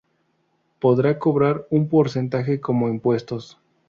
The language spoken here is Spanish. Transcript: Podrá cobrar un porcentaje como impuestos.